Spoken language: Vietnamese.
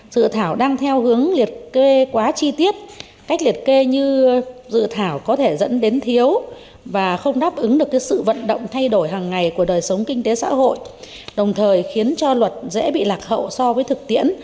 dự thảo đang theo hướng liệt kê quá chi tiết cách liệt kê như dự thảo có thể dẫn đến thiếu và không đáp ứng được sự vận động thay đổi hàng ngày của đời sống kinh tế xã hội đồng thời khiến cho luật dễ bị lạc hậu so với thực tiễn